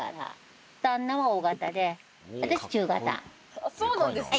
あっそうなんですね。